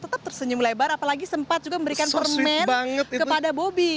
tetap tersenyum lebar apalagi sempat juga memberikan permen kepada bobby